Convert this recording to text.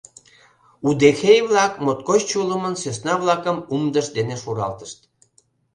Удэхей-влак моткоч чулымын сӧсна-влакым умдышт дене шуралтышт.